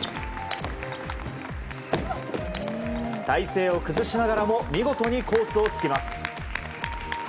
体勢を崩しながらも見事にコースをつきます。